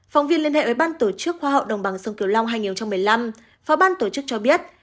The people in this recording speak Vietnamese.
phóng viên liên hệ với ban tổ chức khoa hậu đồng bằng sông kiều long hai nghìn một mươi năm phó ban tổ chức cho biết